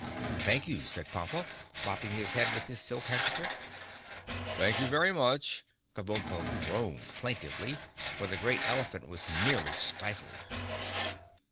"Thank you," said Pompa, mopping his head with his silk handkerchief. "Thank you very much," Kabumpo groaned plaintively, for the great elephant was nearly stifled.